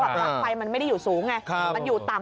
ปลัดไฟมันไม่ได้อยู่สูงไงมันอยู่ต่ำ